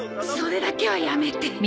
それだけはやめて。